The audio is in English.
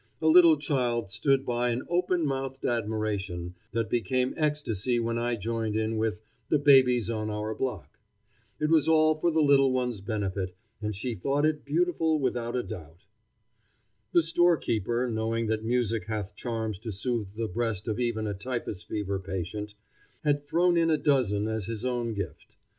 A little child stood by in open mouthed admiration, that became ecstasy when I joined in with "The Babies on our Block." It was all for the little one's benefit, and she thought it beautiful without a doubt. The storekeeper, knowing that music hath charms to soothe the breast of even a typhus fever patient, had thrown in a dozen as his own gift.